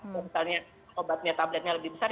kalau misalnya obatnya tabletnya lebih besar